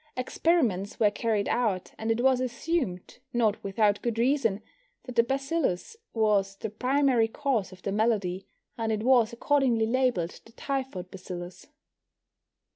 Experiments were carried out, and it was assumed, not without good reason, that the bacillus was the primary cause of the malady, and it was accordingly labelled the typhoid bacillus.